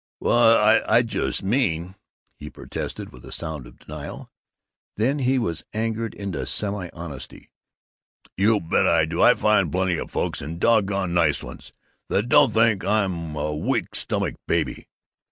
"Well, I just mean " he protested, with a sound of denial. Then he was angered into semi honesty. "You bet I do! I find plenty of folks, and doggone nice ones, that don't think I'm a weak stomached baby!"